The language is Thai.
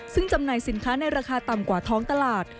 ซึ่งจำหน่ายสินค้าในราคาต่ำกว่าท้องตลาด